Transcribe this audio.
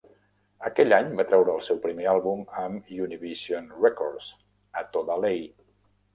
Aquell any, va treure el seu primer àlbum amb Univision Records, "A toda ley".